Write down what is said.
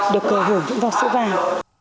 được hưởng dụng vào sữa vàng